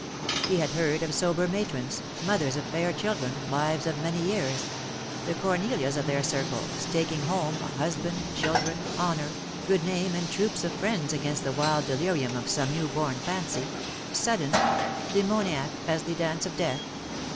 He had heard of sober matrons — mothers of fair children, wives of many years — the Cornelias of their circle, staking home, husband, children, honour, good name, and troops of friends against the wild delirium of some new born fancy, sudden, demoniac as the dance of death.